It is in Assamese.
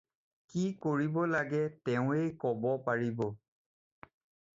কি কৰিব লাগে তেৱেঁই ক'ব পাৰিব।